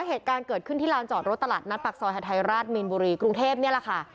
เหตุการณ์เกิดขึ้นที่ลานจอดรถตลาดนัดปากซอยหาทัยราชมีนบุรีกรุงเทพนี่แหละค่ะ